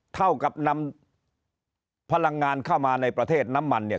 เท่ากับนำพลังงานเข้ามาในประเทศน้ำมันเนี่ย